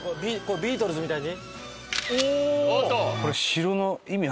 ビートルズみたいに？